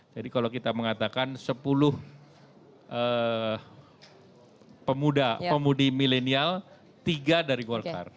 jadi kalau kita mengatakan sepuluh pemuda pemudi milenial tiga dari golkar